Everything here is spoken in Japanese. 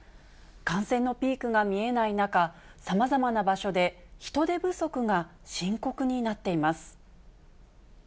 感染のピークが見えない中、さまざまな場所で、人手不足が深刻になっています。